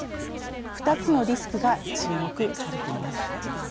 ２つのリスクが注目されています。